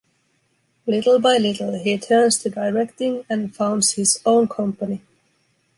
Little by little, he turns to directing and founds his own company.